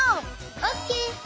オーケー！